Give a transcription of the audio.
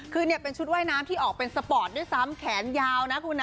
คือเนี่ยเป็นชุดว่ายน้ำที่ออกเป็นสปอร์ตด้วยซ้ำแขนยาวนะคุณนะ